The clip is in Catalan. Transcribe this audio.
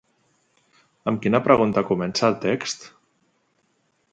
Amb quina pregunta comença el text?